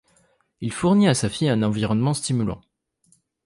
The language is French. Il fournit à sa fille un environnement stimulant.